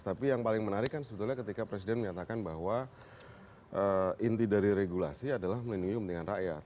tapi yang paling menarik kan sebetulnya ketika presiden menyatakan bahwa inti dari regulasi adalah minium dengan rakyat